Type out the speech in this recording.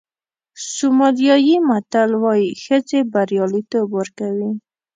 سومالیایي متل وایي ښځې بریالیتوب ورکوي.